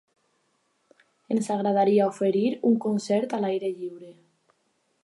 Ens agradaria oferir un concert a l'aire lliure.